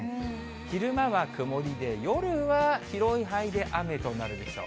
昼間は曇りで、夜は広い範囲で雨となるでしょう。